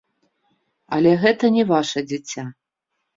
Але гэта не ваша дзіця.